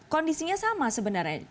kondisinya sama sebenarnya